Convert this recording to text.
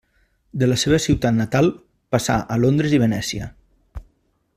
De la seva ciutat natal passà a Londres i Venècia.